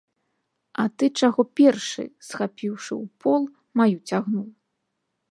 А ты чаго першы, схапіўшы ўпол, маю цягнуў?